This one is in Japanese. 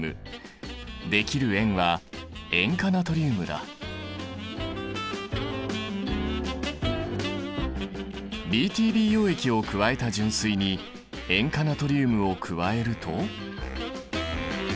できる塩はＢＴＢ溶液を加えた純水に塩化ナトリウムを加えると。